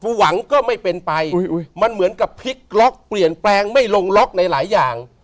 หวังก็ไม่เป็นไปมันเหมือนกับพลิกล็อกเปลี่ยนแปลงไม่ลงล็อกในหลายอย่าง